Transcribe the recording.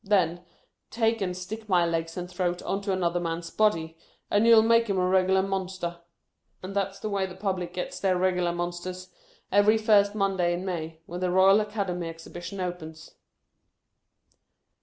Then, take and stick my legs and throat on to another man's body, and you '11 make a reg'lar monster. And that 's the way the public gets their reg'lar monsters, every first Monday in May, when the Royal Academy Exhibition opens."